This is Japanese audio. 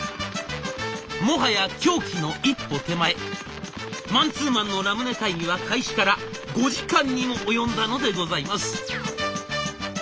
もはや狂気の一歩手前マンツーマンのラムネ会議は開始から５時間にも及んだのでございます。